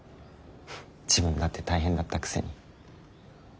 自分だって大変だったくせに。